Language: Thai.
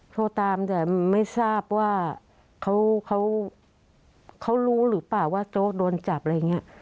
โทรตามแต่ไม่ทราบว่าเขารู้หรือเปล่าว่าโจ๊กโดนจับอะไรอย่างนี้